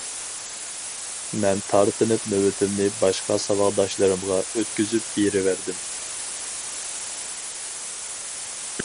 مەن تارتىنىپ نۆۋىتىمنى باشقا ساۋاقداشلىرىمغا ئۆتكۈزۈپ بېرىۋەردىم.